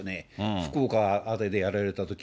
福岡辺りでやられたとき。